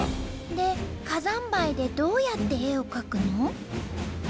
で火山灰でどうやって絵を描くの？